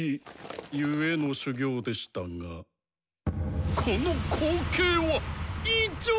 ゆえの修行でしたがこの光景は異常！